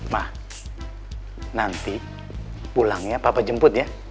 mah nanti pulangnya papa jemput ya